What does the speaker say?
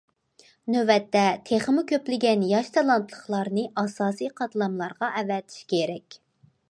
نۆۋەتتە، تېخىمۇ كۆپلىگەن ياش تالانتلىقلارنى ئاساسىي قاتلاملارغا ئەۋەتىش كېرەك.